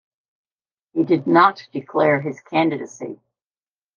He did not declare his candidacy.